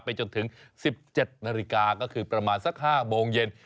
จนถึง๑๗นาฬิกาก็คือประมาณสัก๕โมงเย็น